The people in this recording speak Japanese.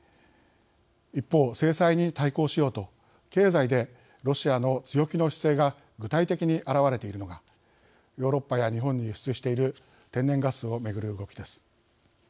一方、制裁に対抗しようと経済で、ロシアの強気の姿勢が具体的に表れているのがヨーロッパや日本に輸出している天然ガスを巡る動きです。